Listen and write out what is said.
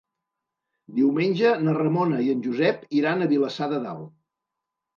Diumenge na Ramona i en Josep iran a Vilassar de Dalt.